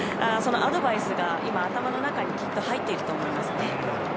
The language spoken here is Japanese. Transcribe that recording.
そのアドバイスが今、頭の中にきっと入っていると思いますね。